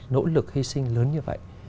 nỗ lực hy sinh lớn như vậy